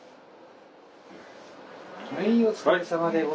はいお疲れさまでございました。